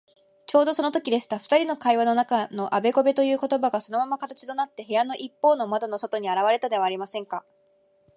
ちょうどそのときでした。ふたりの会話の中のあべこべということばが、そのまま形となって、部屋のいっぽうの窓の外にあらわれたではありませんか。